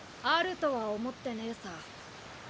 あるとは思ってねえさ。